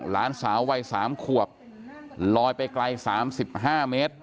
หลานสาววัยสามขวบลอยไปไกลสามสิบห้าเมตร